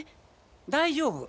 大丈夫！